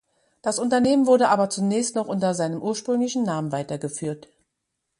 Das Unternehmen wurde aber zunächst noch unter seinem ursprünglichen Namen weitergeführt.